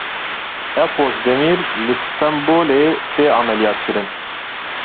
Epozdemir li Stenbolê tê emeliyatkirin.